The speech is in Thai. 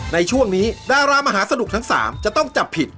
ในช่วงนี้ดารามหาสนุกทั้ง๓จะต้องจับผิด